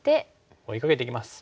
追いかけていきます。